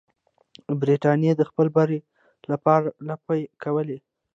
برټانیې د خپل بری لاپې کولې.